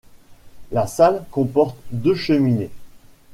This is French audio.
La salle comporte deux cheminées.